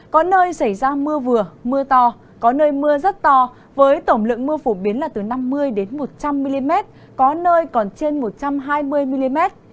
có nơi xảy ra mưa vừa mưa to có nơi mưa rất to với tổng lượng mưa phổ biến là từ năm mươi một trăm linh mm có nơi còn trên một trăm hai mươi mm